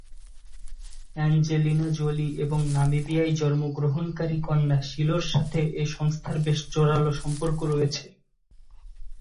Angelina Jolie ও নামিবিয়ায় জন্মগ্রহণকারী কন্যা শিলো’র সাথে এ সংস্থার বেশ জোড়ালো সম্পর্ক রয়েছে।